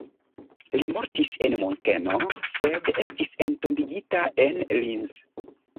Li mortis en Munkeno, sed estis entombigita en Linz.